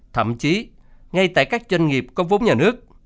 thậm chí ngay tại các doanh nghiệp có vốn nhà nước